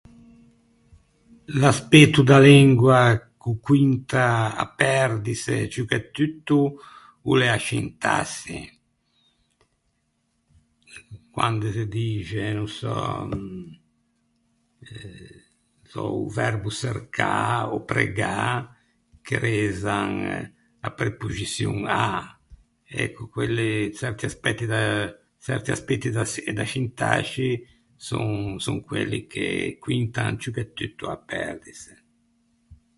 L’aspeto da lengua ch’o cointa à perdise ciù che tutto o l’é a scintassi, quande se dixe, no sò, o verbo çercâ ò pregâ, che rezan a prepoxiçion à, ecco quelle çerti aspeti da çerti aspeti da sin- da scintasci son son quelli che cointan ciù che tutto à perdise.